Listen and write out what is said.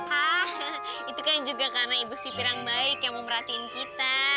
hah itu kan juga karena ibu sipirang baik yang memerhatiin kita